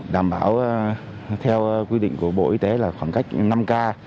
đảm bảo theo quy định của bộ y tế là khoảng cách năm ca